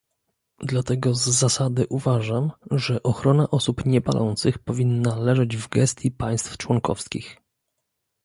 Dlatego z zasady uważam, że ochrona osób niepalących powinna leżeć w gestii państw członkowskich